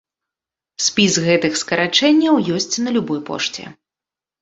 Спіс гэтых скарачэнняў ёсць на любой пошце.